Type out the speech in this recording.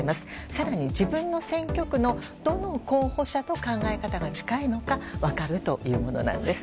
更に、自分の選挙区のどの候補者と考え方が近いのか分かるというものなんです。